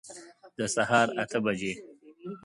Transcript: د سهار اته بجي